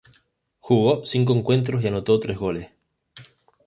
Jugó cinco encuentros y anotó tres goles.